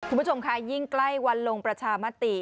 คุณผู้ชมค่ะยิ่งใกล้วันลงประชามติ